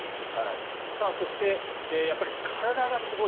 そしてやっぱり体がすごい。